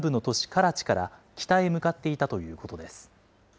カラチから北へ向かっていたということです。